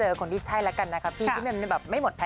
เออนะคะ